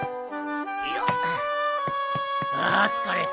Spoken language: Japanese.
あ疲れた。